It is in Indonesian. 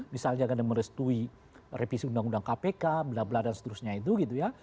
misalnya karena merestui revisi undang undang kpk bla bla dan seterusnya itu gitu ya